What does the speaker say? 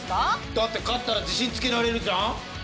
だって勝ったら自信つけられるじゃん。